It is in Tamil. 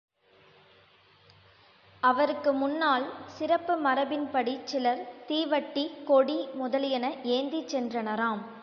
அவருக்கு முன்னால், சிறப்பு மரபின்படிச் சிலர் தீவட்டி, கொடி முதலியன ஏந்திச் சென்றனராம்.